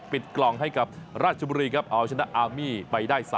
กล่องให้กับราชบุรีครับเอาชนะอาร์มี่ไปได้๓